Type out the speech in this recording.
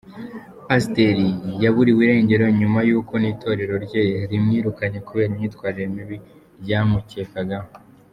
Pasiteri yaburiwe irengero nyuma y’uko n’itorero rye rimwirukanye kubera imyitwarire mibi ryamukekagaho.